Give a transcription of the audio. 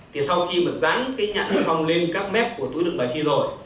thì sau khi mà dán cái nhãn niêm phong lên các mép của túi lựng bài thi rồi